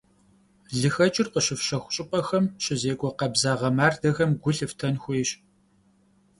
ЛыхэкӀыр къыщыфщэху щӀыпӀэхэм щызекӀуэ къабзагъэ мардэхэм гу лъыфтэн хуейщ.